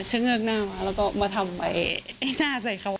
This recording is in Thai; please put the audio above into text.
เงิกหน้ามาแล้วก็มาทำไอ้หน้าใส่เขา